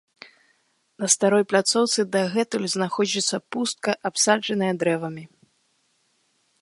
На старой пляцоўцы дагэтуль знаходзіцца пустка, абсаджаная дрэвамі.